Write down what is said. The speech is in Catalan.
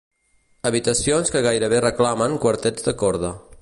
Habitacions que gairebé reclamen quartets de corda.